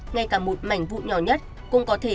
ngay cả một mảnh vụ nhỏ nhất cũng có thể